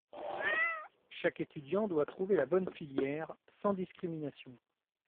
Chaque étudiant doit trouver la bonne filière, sans discrimination.